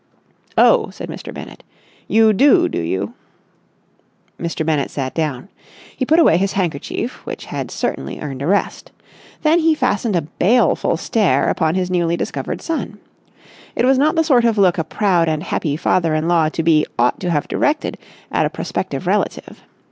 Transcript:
"Oh!" said Mr. Bennett. "You do, do you?" Mr. Bennett sat down. He put away his handkerchief, which had certainly earned a rest. Then he fastened a baleful stare upon his newly discovered son. It was not the sort of look a proud and happy father in law to be ought to have directed at a prospective relative.